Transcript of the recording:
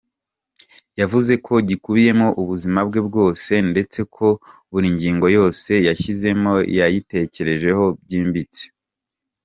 Yavuze ko gikubiyemo ubuzima bwe bwose ndetse ko buri ngingo yose yashyizemo yayitekerejeho byimbitse.